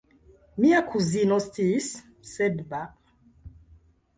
Mia kuzino sciis, sed ba!